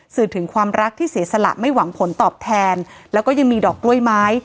สื่อถึงความรักที่เสียสละไม่หวังผลตอบแทนแล้วก็ยังมีดอกกล้วยไม้